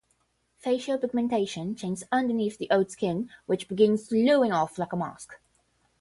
Facial pigmentation changes underneath the old skin which begins sloughing off like a mask.